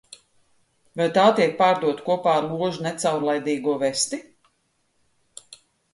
Vai tā tiek pārdota kopā ar ložu necaurlaidīgo vesti?